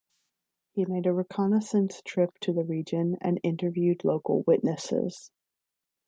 He made a reconnaissance trip to the region, and interviewed local witnesses.